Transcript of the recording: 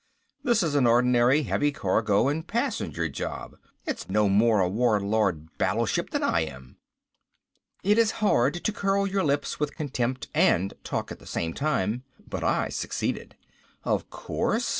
"This is an ordinary heavy cargo and passenger job. It's no more a Warlord battleship than I am." It is hard to curl your lips with contempt and talk at the same time, but I succeeded. "Of course.